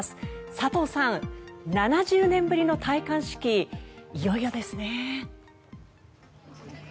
佐藤さん、７０年ぶりの戴冠式いよいよですね。